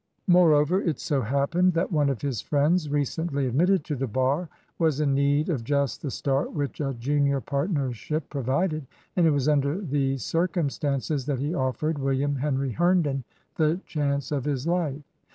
Moreover, it so happened that one of his friends, recently admitted to the bar, was in need of just the start which a junior partnership pro vided, and it was under these circumstances that he offered William Henry Herndon the chance of his life.